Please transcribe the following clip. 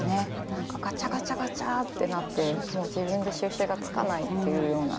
何かがちゃがちゃがちゃってなってもう自分で収拾がつかないっていうような。